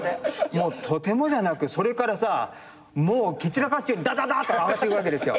もうとてもじゃなくそれから蹴散らかすようにダダダって上がってくわけですよ。